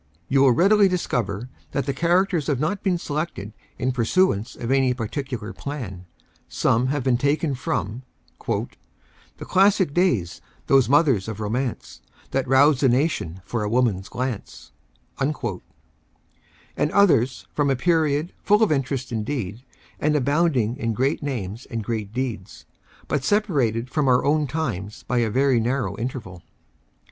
You will readily discover, that the characters have not been selected in pursuance of any particular plan. Some have been taken from " The classic days, those mothers of romance, That roused a nation for a woman's glance ;" and others from a period, full of interest, indeed, and abounding in great names and great deeds, but separated from our own times by a very narrow interval.